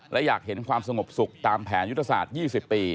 และอยากเห็นความสงบสุขตามแผนยุทธศาสตร์๒๐ปี